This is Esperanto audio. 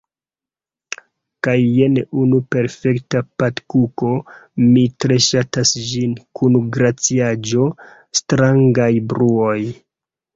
Kaj jen unu perfekta patkuko, mi tre ŝatas ĝin, kun glaciaĵo. strangaj bruoj